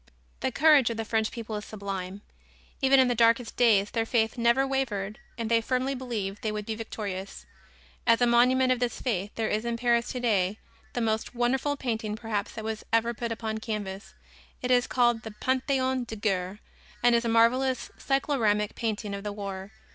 The courage of the French people is sublime. Even in the darkest days their faith never wavered and they firmly believed they would be victorious. As a monument of this faith there is in Paris today the most wonderful painting perhaps that was ever put upon canvas. It is called the "Pantheon de Guerre" and is a marvelous cycloramic painting of the war.